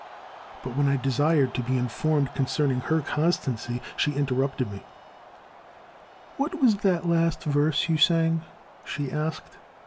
But when I desired to be informed concerning her constancy, she interrupted me. "What was that last verse you sang? she asked.